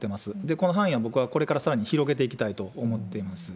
この範囲は、僕はこれからさらに広げていきたいと思っています。